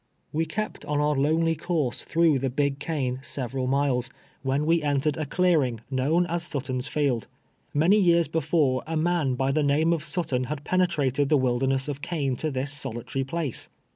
We kept on our lonely coui'se through the " Big Cane " several miles, when we entered a clearing , known as " Sutton's Field." Many yeai*s before, a man by the name of Sutton had penetrated the wilder ness of cane to this solitary place.